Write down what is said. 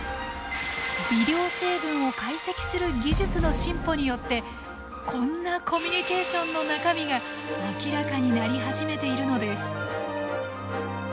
微量成分を解析する技術の進歩によってこんなコミュニケーションの中身が明らかになり始めているのです。